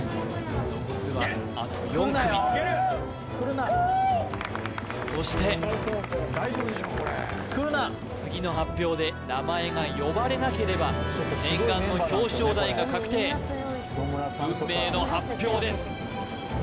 残すはあと４組そして次の発表で名前が呼ばれなければ念願の表彰台が確定運命の発表です